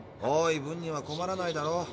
多い分には困らないだろ。